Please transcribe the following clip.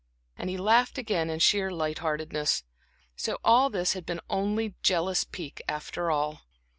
And he laughed again in sheer light heartedness. So all this had been only jealous pique, after all.